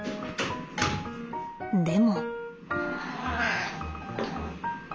でも。